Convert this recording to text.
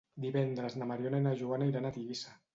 Divendres na Mariona i na Joana iran a Tivissa.